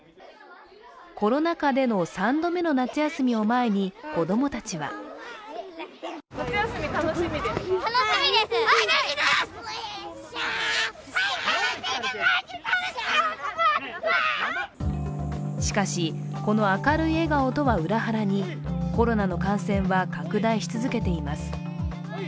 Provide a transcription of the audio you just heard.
コロナ禍での３度目の夏休みを前に子供たちはしかし、この明るい笑顔とは裏腹にコロナの感染は拡大し続けています。